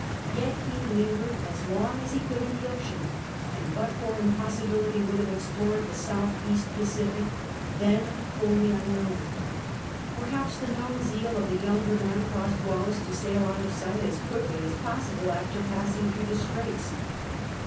Yet he .lingered as long as he could in the ocean, and but for impossibility would have explored the south east Pacific, then wholly un known. Perhaps the known zeal of the younger man caused Wallis to sail out of sight as quickly as possible after {lassing through the Straits.